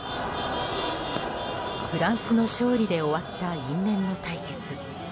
フランスの勝利で終わった因縁の対決。